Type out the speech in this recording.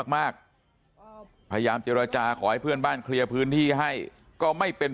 มากพยายามเจรจาขอให้เพื่อนบ้านเคลียร์พื้นที่ให้ก็ไม่เป็น